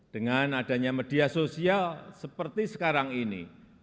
dengan adanya media sosial seperti sekarang ini